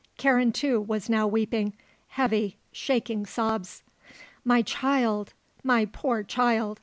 Karen, too, was now weeping; heavy, shaking sobs. "My child! My poor child!"